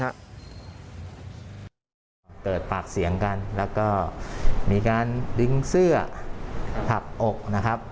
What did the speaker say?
เกิดปากเสียงกันแล้วก็มีการดิ้งเสื้อผักอก